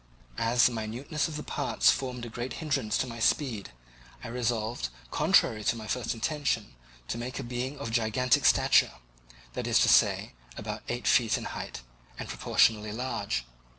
As the minuteness of the parts formed a great hindrance to my speed, I resolved, contrary to my first intention, to make the being of a gigantic stature, that is to say, about eight feet in height, and proportionably large.